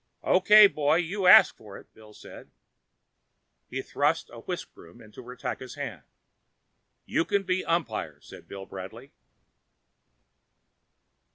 "Okay, boy, you asked for it," Bill said. He thrust a whiskbroom into Ratakka's hand. "You can be umpire," said Bill Bradley.